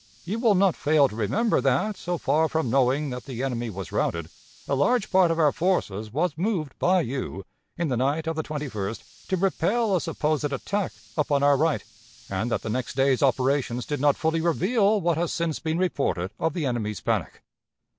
You will not fail to remember that, so far from knowing that the enemy was routed, a large part of our forces was moved by you, in the night of the 21st, to repel a supposed attack upon our right, and that the next day's operations did not fully reveal what has since been reported of the enemy's panic.